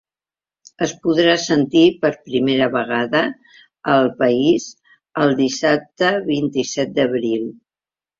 Es podrà sentir per primera vegada al país el dissabte vint-i-set d’abril.